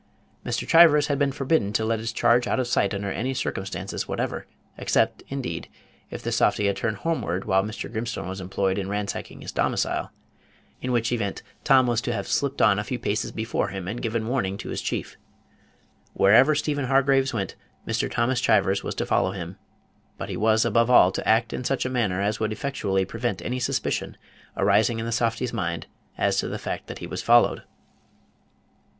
Mr. Chivers had been forbidden to let his charge out of sight under any circumstances whatever, except, indeed, if the softy had turned homeward while Mr. Grimstone was employed in ransacking his domicile, in which event Tom was to have slipped on a few paces before him, and given warning to his chief. Wherever Stephen Hargraves went, Mr. Thomas Chivers was to follow him; but he was, above all, to act in such a manner as would effectually prevent any suspicion arising in the softy's mind as to the fact that he was followed.